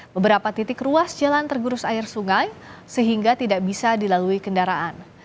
beberapa titik ruas jalan tergerus air sungai sehingga tidak bisa dilalui kendaraan